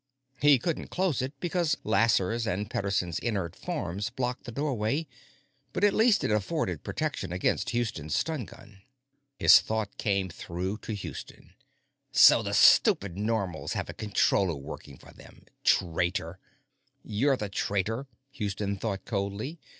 He couldn't close it because Lasser's and Pederson's inert forms blocked the doorway, but at least it afforded protection against Houston's stun gun. His thought came through to Houston: So the stupid Normals have a Controller working for them! Traitor! You're the traitor, Houston thought coldly.